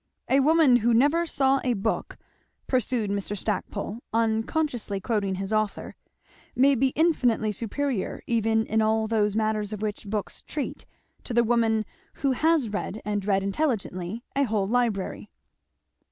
"A woman who never saw a book," pursued Mr. Stackpole, unconsciously quoting his author, "may be infinitely superior, even in all those matters of which books treat, to the woman who has read, and read intelligently, a whole library."